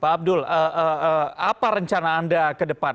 pak abdul apa rencana anda ke depan